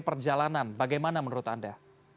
perjalanan bagaimana menurut anda